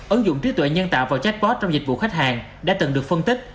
ứng dụng trí tuệ nhân tạo và chatbot trong dịch vụ khách hàng đã từng được phân tích